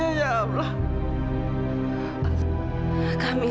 harus saya tahu bahwa kamu memberinya